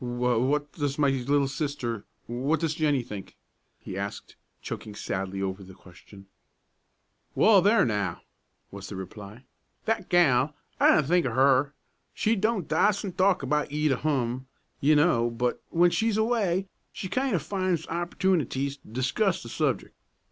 "What what does my little sister what does Jennie think?" he asked, choking sadly over the question. "Well there now!" was the reply; "that gal I didn't think o' her. She don't da's't talk about ye to hum, ye know, but w'en she's away she kind o' finds opportetunities to discuss the subjec'.